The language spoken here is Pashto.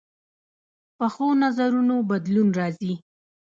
پخو نظرونو بدلون راځي